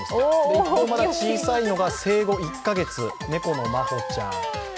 一方、まだ小さいのが生後１カ月、猫のまほちゃん。